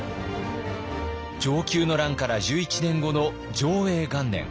承久の乱から１１年後の貞永元年。